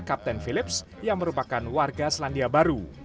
kapten philips yang merupakan warga selandia baru